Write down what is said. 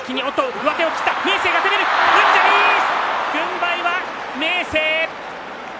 軍配は明生。